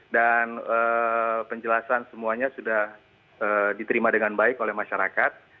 dan penjelasan semuanya sudah diterima dengan baik oleh masyarakat